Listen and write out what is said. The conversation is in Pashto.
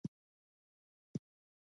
قدرت د انساني ژوند هر اړخ اغېزمنوي.